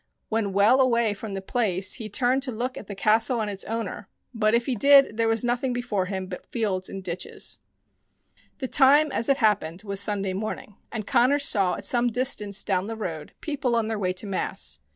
When well away from the place he turned to look at the castle and its owner, but if he did there was nothing before him but fields and ditches. The time as it happened was Sunday morning, and io Tales of the Fairies Connors saw at some distance down the road people on their way to mass.